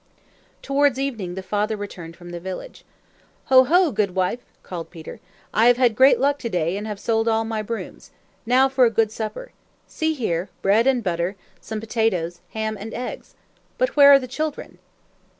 Towards evening the father returned from the village. "Ho, ho, good wife!" called Peter. "I have had great luck to day, and have sold all my brooms. Now for a good supper! See here bread and butter, some potatoes, ham and eggs. But where are the children?"